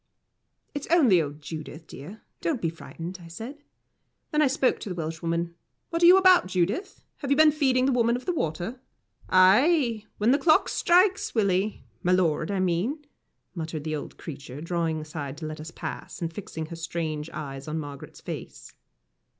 "It's only old Judith, dear don't be frightened," I said. Then I spoke to the Welshwoman: "What are you about, Judith? Have you been feeding the Woman of the Water?" "Ay when the clock strikes, Willie my lord, I mean," muttered the old creature, drawing aside to let us pass, and fixing her strange eyes on Margaret's face.